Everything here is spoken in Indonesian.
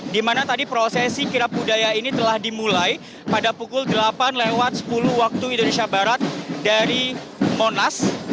di mana tadi prosesi kirap budaya ini telah dimulai pada pukul delapan lewat sepuluh waktu indonesia barat dari monas